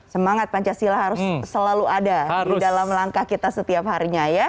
semangat pancasila harus selalu ada di dalam langkah kita setiap harinya ya